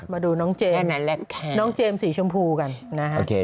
มาดูน้องเจมส์สีชมพูกันนะครับ